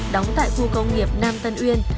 đóng tại khu công nghiệp nam tân uyên